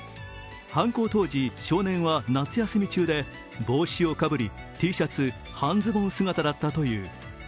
犯行当時、少年は夏休み中で、帽子をかぶり、Ｔシャツ、半ズボン姿だったという。